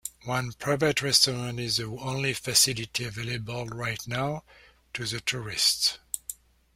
One private restaurant is the only facility available right now to the tourists.